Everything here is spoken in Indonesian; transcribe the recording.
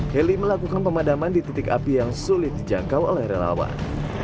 heli melakukan pemadaman di titik api yang sulit dijangkau oleh relawan